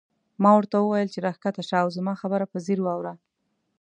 ما ورته وویل چې راکښته شه او زما خبره په ځیر واوره.